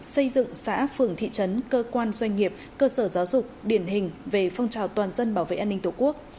xây dựng xã phường thị trấn cơ quan doanh nghiệp cơ sở giáo dục điển hình về phong trào toàn dân bảo vệ an ninh tổ quốc